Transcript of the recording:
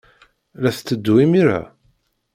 La tetteddu imir-a?